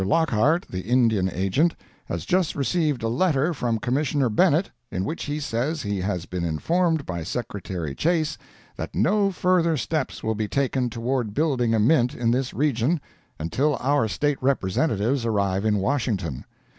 Lockhart, the Indian Agent, has just received a letter from Commissioner Bennet, in which he says he has been informed by Secretary Chase that no further steps will be taken toward building a mint in this region until our State Representatives arrive in Washington!